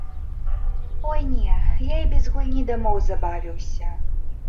Ой не, я і без гульні дамоў забавіўся!